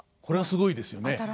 これはすごいですよね。